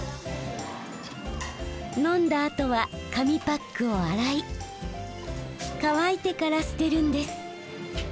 飲んだあとは紙パックを洗い乾いてから捨てるんです。